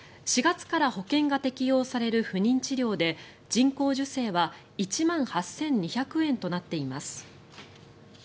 ４月から保険が適用される不妊治療で人工授精は１万８２００円となっています。